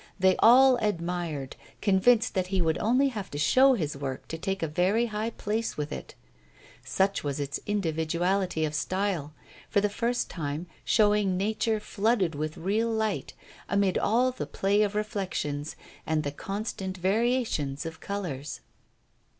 They all admired, convinced that he would only have to show his work to take a very high place with it, such was its individuality of style, for the first time showing nature flooded with real light, amid all the play of reflections and the constant variations of colours.